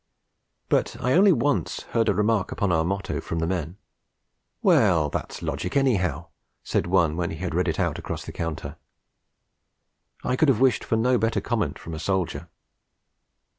But I only once heard a remark upon our motto from the men. 'Well, that's logic anyhow!' said one when he had read it out across the counter. I could have wished for no better comment from a soldier.